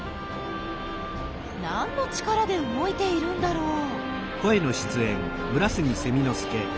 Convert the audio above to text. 何の力で動いているんだろう？